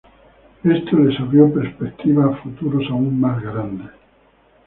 Esto les abrió perspectivas a futuro aun más grandes.